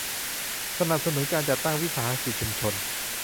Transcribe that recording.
สนับสนุนการจัดตั้งวิสาหกิจชุมชน